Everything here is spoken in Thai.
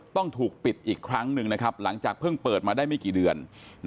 ต้องถูกปิดอีกครั้งหนึ่งนะครับหลังจากเพิ่งเปิดมาได้ไม่กี่เดือน